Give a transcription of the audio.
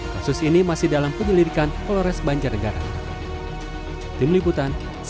kasus ini masih dalam penyelidikan polores banjarnegara